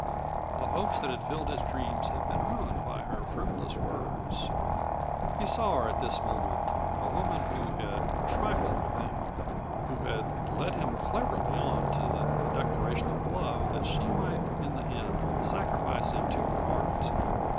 The hopes that had filled his dreams had been ruined by her frivolous words; he saw her at this moment a woman who had trifled with him, who had led him cleverly on to a declaration of love that she might in the end sacrifice him to her art.